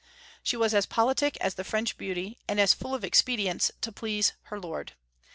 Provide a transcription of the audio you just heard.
She was as politic as the French beauty, and as full of expedients to please her lord.